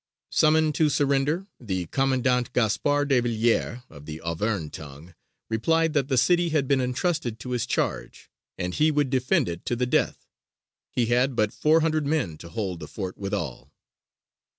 Summoned to surrender, the Commandant, Gaspard de Villiers, of the Auvergne Tongue, replied that the city had been entrusted to his charge, and he would defend it to the death. He had but four hundred men to hold the fort withal.